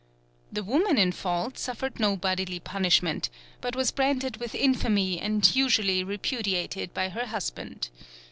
The woman in fault suffered no bodily punishment, but was branded with infamy and usually repudiated by her husband.